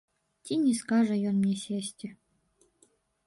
Ці не скажа ён мне сесці.